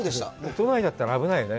都内だったら危ないよね。